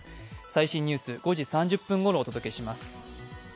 最新ニュース、５時３０分ごろお届けします。